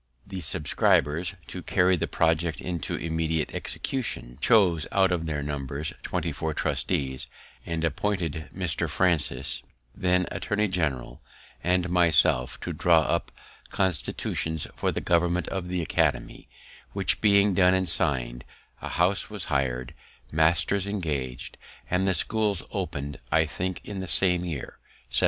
The subscribers, to carry the project into immediate execution, chose out of their number twenty four trustees, and appointed Mr. Francis, then attorney general, and myself to draw up constitutions for the government of the academy; which being done and signed, a house was hired, masters engag'd, and the schools opened, I think, in the same year, 1749.